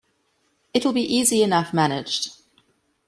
It’ll be easy enough managed.